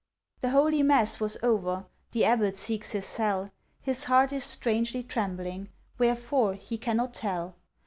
The Holy Mass was over, The Abbot seeks his cell, His heart is strangely trembling, Wherefore he cannot tell.